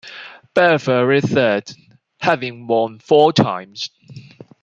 Belfour is third, having won four times.